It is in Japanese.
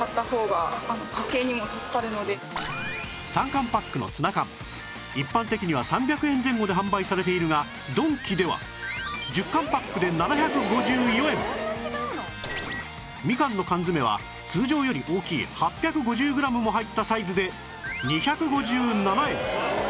３缶パックのツナ缶一般的には３００円前後で販売されているがドンキでは１０缶パックで７５４円みかんの缶詰は通常より大きい８５０グラムも入ったサイズで２５７円